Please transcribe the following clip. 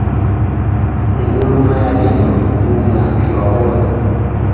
Nguluma yadima kubung'a shwa wori.